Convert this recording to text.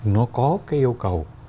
nó có cái yêu cầu